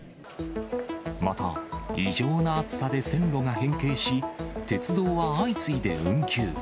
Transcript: また、異常な暑さで線路が変形し、鉄道は相次いで運休。